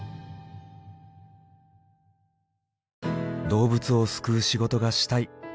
動物を救う仕事がしたい。